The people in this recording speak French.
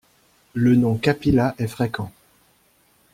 Le nom Kapila est fréquent.